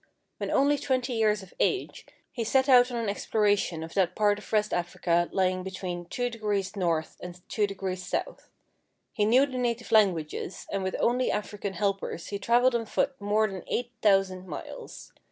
When only twenty years of age, he set out on an exploration of that part of West Africa lying between 2°N. and 2°S. He knew the native languages, and with only African helpers he traveled on foot more than eight thousand miles.